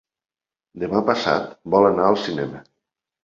Demà passat vol anar al cinema.